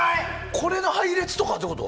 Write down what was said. これの配列とかってこと？